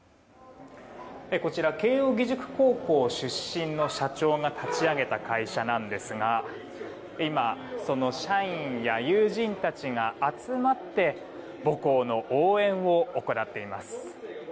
こちら慶応義塾高校出身の社長が立ち上げた会社なんですがその社員や友人たちが集まって母校の応援を行っています。